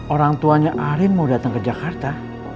orang tuanya arin mau datang ke jakarta